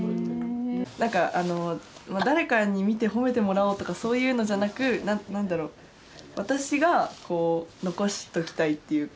何かあの誰かに見て褒めてもらおうとかそういうのじゃなく何だろう私がこう残しときたいっていうか。